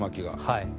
はい。